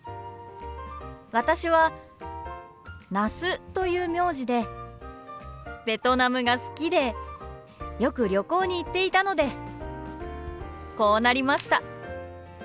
私は那須という名字でベトナムが好きでよく旅行に行っていたのでこうなりました。